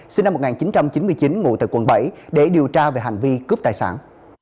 sinh năm một nghìn chín trăm chín mươi chín ngụ tại quận bảy để điều tra về hành vi cướp tài sản